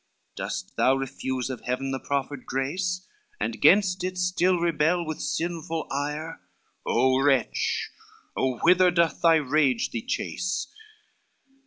LXXXVIII "Thou dost refuse of heaven the proffered And gainst it still rebel with sinful ire, Oh wretch! Oh whither doth thy rage thee chase?